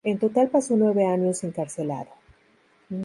En total pasó nueve años encarcelado.